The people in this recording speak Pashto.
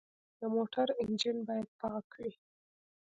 د موټر انجن باید پاک وي.